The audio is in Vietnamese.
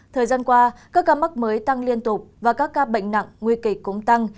thời gian qua các ca mắc mới tăng liên tục và các ca bệnh nặng nguy kịch cũng tăng